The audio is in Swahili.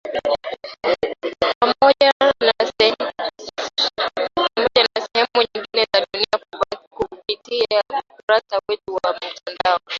Pamoja na sehemu nyingine za dunia kupitia ukurasa wetu wa mtandao.